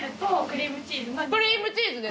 クリームチーズな。